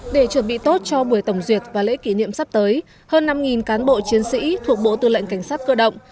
để chuẩn bị tốt cho buổi tổng duyệt và lễ kỷ niệm sắp tới hơn năm cán bộ chiến sĩ thuộc bộ tư lệnh cảnh sát cơ động